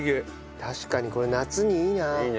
確かにこれ夏にいいな。いいね。